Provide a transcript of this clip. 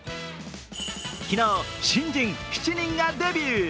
昨日、新人７人がデビュー。